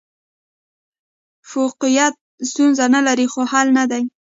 فوقیت ستونزه نه لري، خو حل نه دی.